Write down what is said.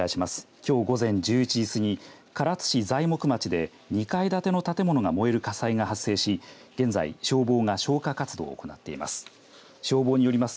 きょう午前１１時過ぎ唐津市材木町で２階建ての建物が燃える火災が発生し現在、消防が消火活動を行っています。